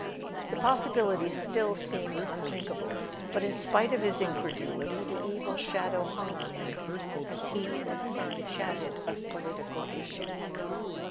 The pos¬ sibility still seemed unthinkable; but in spite of his incredulity the evil shadow hung on him as he and his son chatted of political issues.